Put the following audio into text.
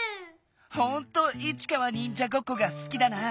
ほんとイチカはにんじゃごっこがすきだな。